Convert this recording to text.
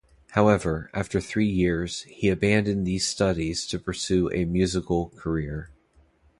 However, after three years, he abandoned these studies to pursue a musical career.